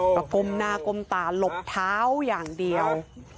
ไม่เอากลมหน้ากลมตาหลบเท้าอย่างเดียว